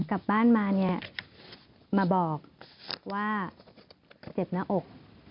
กลับบ้านมาเนี่ยมาบอกว่าเจ็บหน้าอก